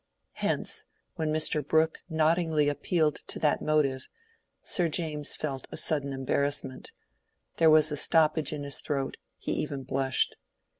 Hence when Mr. Brooke noddingly appealed to that motive, Sir James felt a sudden embarrassment; there was a stoppage in his throat; he even blushed.